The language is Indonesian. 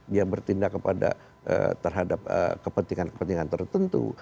dia bertindak kepada terhadap kepentingan kepentingan tertentu